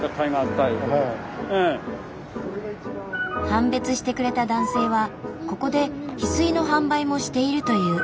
判別してくれた男性はここでヒスイの販売もしているという。